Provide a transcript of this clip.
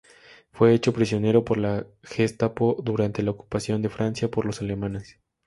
Fue hecho prisionero por la Gestapo durante la ocupación de Francia por los alemanes.